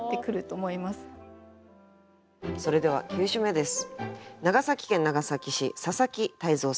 それでは９首目です。